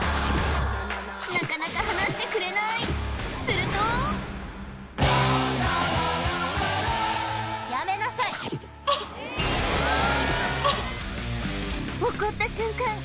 なかなか離してくれないすると怒った瞬間